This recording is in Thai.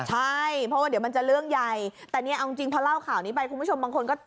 ใช่เพราะว่าเดี๋ยวมันจะเรื่องใหญ่แต่เนี่ยเอาจริงพอเล่าข่าวนี้ไปคุณผู้ชมบางคนก็